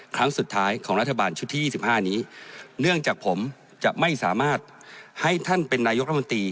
ครั้งสุดท้ายของรัฐบาลชุดที่๒๕นี้เนื่องจากผมจะไม่สามารถให้ท่านเป็นนายกรัฐมนตรี